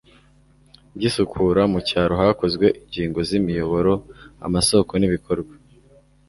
by isukura mu cyaro hakozwe inyigo z imiyoboro amasoko n ibikorwa